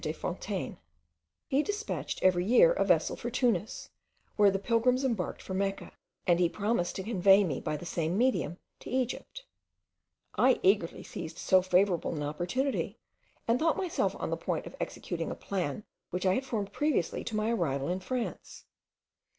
Desfontaines. He despatched every year a vessel for Tunis, where the pilgrims embarked for Mecca, and he promised to convey me by the same medium to Egypt. I eagerly seized so favourable an opportunity, and thought myself on the point of executing a plan which I had formed previously to my arrival in France.